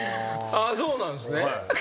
そうなんですね。